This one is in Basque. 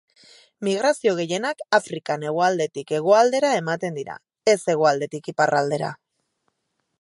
Migrazio gehienak Afrikan hegoaldetik hegoaldera ematen dira, ez hegoaldetik iparraldera.